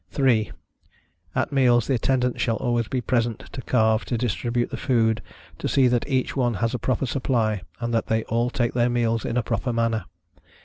3. At meals the Attendants shall always be present to carve, to distribute the food, to see that each one has a proper supply, and that they all take their meals in a proper manner.